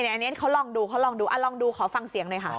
เออนี่อันนี้เขาลองดูอ่ะลองดูขอฟังเสียงหน่อยค่ะ